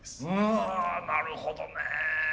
うんなるほどね。